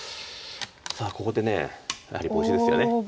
さあここでやはりボウシですよね。